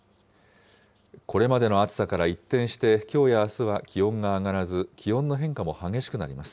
これまでの暑さから一転して、きょうやあすは気温が上がらず、気温の変化も激しくなります。